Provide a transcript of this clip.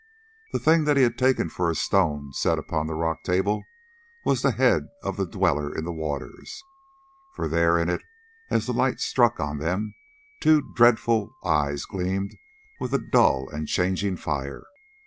The thing that he had taken for a stone set upon the rock table was the head of the Dweller in the Waters, for there in it, as the light struck on them, two dreadful eyes gleamed with a dull and changing fire.